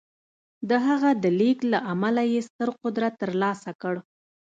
د هغه د لېږد له امله یې ستر قدرت ترلاسه کړ